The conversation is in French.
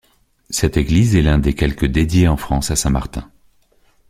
Cette église est l'un des quelque dédiés en France à saint Martin.